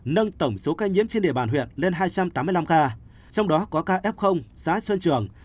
nâng tổng số ca nhiễm trên địa bàn huyện lên hai trăm tám mươi năm ca trong đó có ca f xã xuân trường